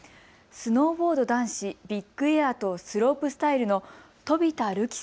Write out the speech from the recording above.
スノーボード男子ビッグエアとスロープスタイルの飛田流